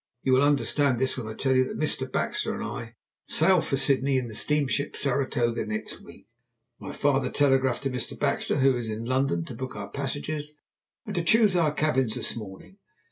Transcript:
You will understand this when I tell you that Mr. Baxter and I sail for Sydney in the steamship Saratoga next week. My father telegraphed to Mr. Baxter, who is in London, to book our passages and to choose our cabins this morning.